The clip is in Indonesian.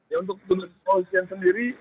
ya untuk petugas kepolisian sendiri